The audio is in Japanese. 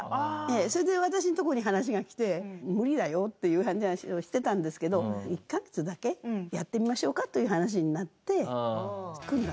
それで私のとこに話がきて「無理だよ」という話をしてたんですけど１カ月だけやってみましょうかという話になって組んだんです。